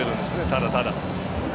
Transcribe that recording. ただただ。